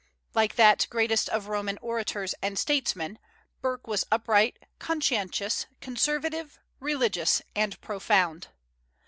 Like that greatest of Roman orators and statesmen, Burke was upright, conscientious, conservative, religious, and profound.